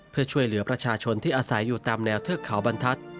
เพื่อช่วยเหลือประชาชนที่อาศัยอยู่ตามแนวเทือกเขาบรรทัศน์